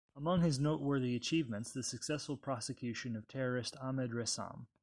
Among his noteworthy achievements the successful prosecution of terrorist Ahmed Ressam.